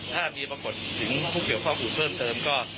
ถ้ามีปรากฏถึงผู้เกี่ยวข้องอื่นเพิ่มเติมก็